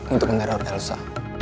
untuk meneror elsa